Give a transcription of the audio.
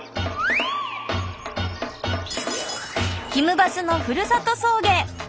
バスのふるさと送迎！